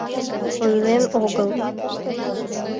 — Ойлен огыл.